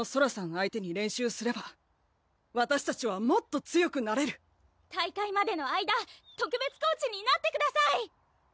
相手に練習すればわたしたちはもっと強くなれる大会までの間特別コーチになってください！